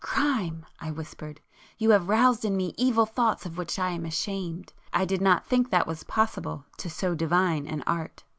"Crime!" I whispered—"You have roused in me evil thoughts of which I am ashamed. I did not think that was possible to so divine an Art."